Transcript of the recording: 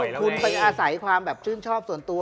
ไหนแต่คุณเป็นอาศัยความชื่นชอบส่วนตัว